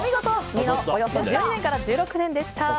２のおよそ１２年から１６年でした。